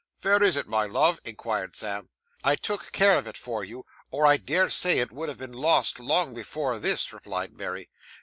'Vere is it, my love?' inquired Sam. 'I took care of it, for you, or I dare say it would have been lost long before this,' replied Mary.